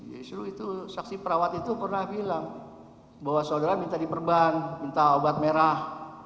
justru itu saksi perawat itu pernah bilang bahwa saudara minta diperban minta obat merah